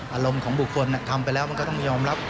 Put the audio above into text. อารมณ์ของบุคคลทำไปแล้วมันก็ต้องยอมรับ